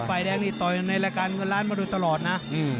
ฝ่ายแดงนี่ต่อยในรายการเงินล้านมาโดยตลอดนะ